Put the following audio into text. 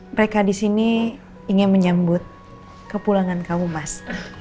mereka disini ingin menyambut ke pulangan kamu mas